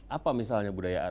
apa misalnya budaya arab